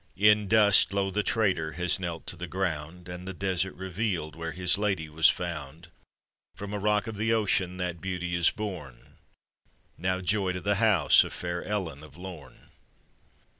In dust, low the traitor has knelt to the ground, And the desert revealed where his lady was found; From a rock of the ocean that beauty in borne— Now joy to the house of fair Ellen of Ixirn.